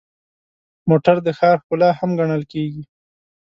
موټر د ښار ښکلا هم ګڼل کېږي.